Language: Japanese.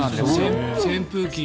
扇風機。